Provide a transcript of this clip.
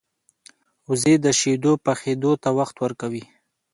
وزې د شیدو پخېدو ته وخت ورکوي